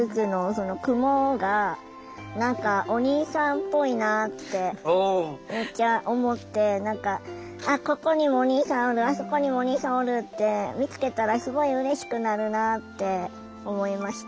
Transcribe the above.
その雲が何かお兄さんっぽいなってめっちゃ思ってあっここにもお兄さんおるあそこにもお兄さんおるって見つけたらすごいうれしくなるなって思いました。